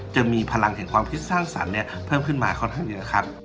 จะมีพลังแห่งความคิดสร้างสรรค์เพิ่มขึ้นมาค่อนข้างเยอะครับ